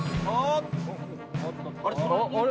あれ？